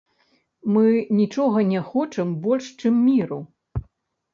Мы нічога не хочам больш, чым міру.